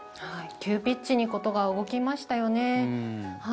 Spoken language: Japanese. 急ピッチに事が動きましたよね。